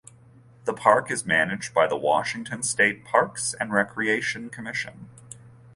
The park is managed by the Washington State Parks and Recreation Commission.